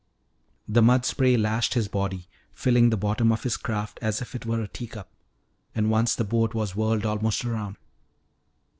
The muddy spray lashed his body, filling the bottom of his craft as if it were a tea cup. And once the boat was whirled almost around.